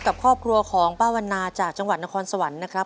กับครอบครัวของป้าวันนาจากจังหวัดนครสวรรค์นะครับ